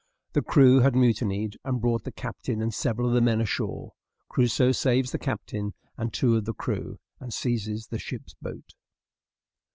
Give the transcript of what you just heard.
The crew had mutinied, and brought the captain and several of the men ashore. Crusoe saves the captain and two of the crew, and seizes the ship's boat.